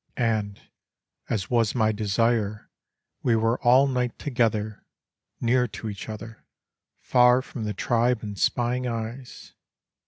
And, as was my desire, we were all night together, Near to each other, far from the tribe and spying eyes.